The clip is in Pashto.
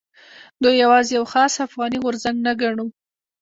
دوی یوازې یو خاص افغاني غورځنګ نه ګڼو.